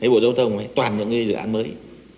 bộ giáo thông toàn những dự án mới